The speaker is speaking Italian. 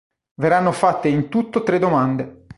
Verranno fatte in tutto tre domande.